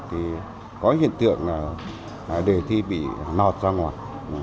thì có hiện tượng là đề thi bị nọt ra ngoài